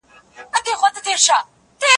ادئب د ټولني د پوهې کچه لوړوي.